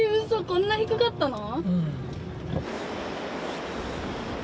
こんな低かったの？